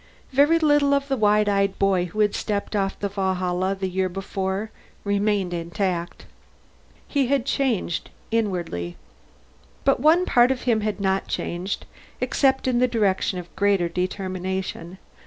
Very little of the wide eyed boy who had stepped off the Valhalla the year before remained intact. He had changed inwardly. But one part of him had not changed, except in the direction of greater determination.